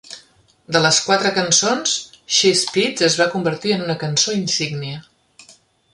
De les quatre cançons, "She Speeds" es va convertir en una cançó insígnia.